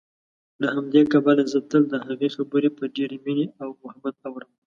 له همدې کبله زه تل دهغې خبرې په ډېرې مينې او محبت اورم